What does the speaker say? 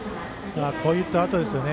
こういったあとですよね。